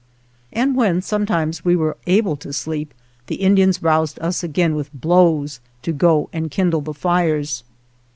And when, sometimes, we were able to sleep, the In dians roused us again with blows to go and kindle the fires.